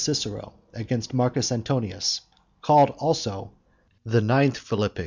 CICERO AGAINST MARCUS ANTONIUS. CALLED ALSO THE TENTH PHILIPPIC.